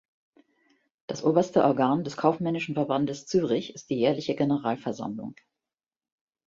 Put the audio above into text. Das oberste Organ des Kaufmännischen Verbandes Zürich ist die jährliche Generalversammlung.